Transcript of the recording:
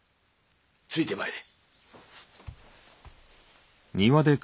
ついてまいれ。